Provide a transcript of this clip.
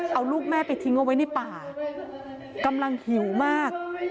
เอาลูกแม่ไปทิ้งเอาไว้ในป่ากำลังหิวมาก